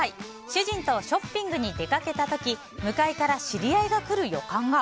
主人とショッピングに出かけた時向かいから知り合いが来る予感が。